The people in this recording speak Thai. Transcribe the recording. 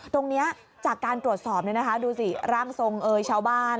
ตรงนี้จากการตรวจสอบดูสิร่างทรงเอ่ยชาวบ้าน